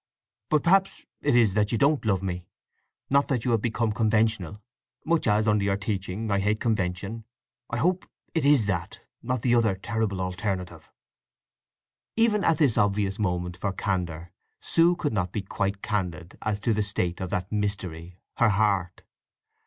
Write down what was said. "But perhaps it is that you don't love me—not that you have become conventional! Much as, under your teaching, I hate convention, I hope it is that, not the other terrible alternative!" Even at this obvious moment for candour Sue could not be quite candid as to the state of that mystery, her heart.